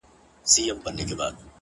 راكيټونو دي پر ما باندي را اوري”